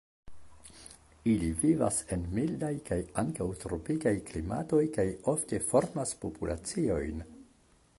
Ili vivas en mildaj kaj ankaŭ tropikaj klimatoj kaj ofte formas populaciojn.